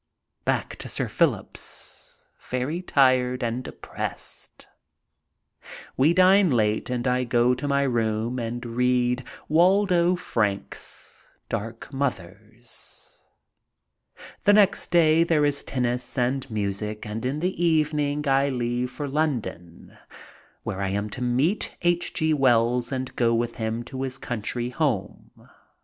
Back to Sir Philip's, very tired and depressed. We dine late and I go to my room and read Waldo Frank's Dark Mothers. The next day there is tennis and music and in the evening I leave for London, where I am to meet H. G. Wells and go with him to his country home.